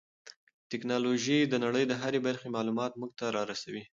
ټیکنالوژي د نړۍ د هرې برخې معلومات موږ ته را رسوي.